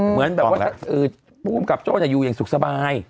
เหมือนแบบว่าภูมิกับโจ้อยู่อย่างสุขสบาย